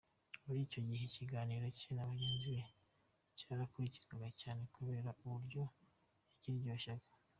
Muri icyo gihe ikiganiro cye na bagenzi be cyarakurikirwaga cyane kubera uburyo bakiryoshyaga.